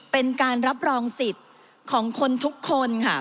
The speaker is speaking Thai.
เป็นการรับรองสิทธิ์ของคนทุกคนค่ะ